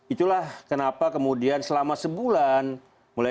itulah kenapa kemudian selama ini kita membuat strategi taktik